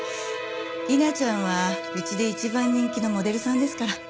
理奈ちゃんはうちで一番人気のモデルさんですから。